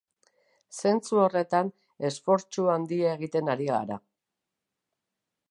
Zentzu horretan, esfortsu handia egiten ari gara.